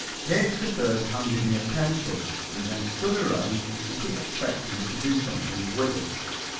H. 3rd handed me a pencil, and then stood around as if he expected me to do something with it.